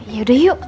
ya udah yuk